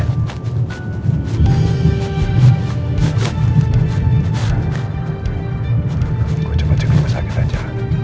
aku coba cek rumah sakit aja